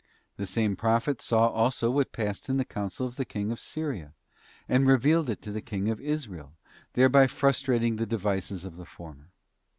The same Prophet saw also what passed in the council of the King of Syria, and revealed it to the King of Israel, thereby frustrating the devices of the former.